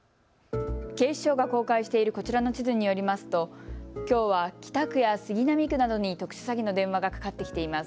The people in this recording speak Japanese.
警視庁が公開しているこちらの地図によりますときょうは北区や杉並区などに特殊詐欺の電話がかかってきています。